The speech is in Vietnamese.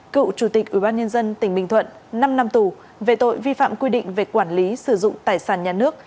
cựu chủ tịch ubnd tỉnh bình thuận năm năm tù về tội vi phạm quy định về quản lý sử dụng tài sản nhà nước